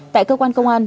tại cơ quan công an